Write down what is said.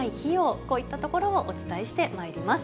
こういったところをお伝えしてまいります。